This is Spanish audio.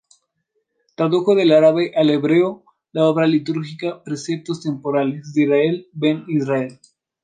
Tradujo del árabe al hebreo la obra litúrgica "Preceptos temporales", de Israel ben Israel.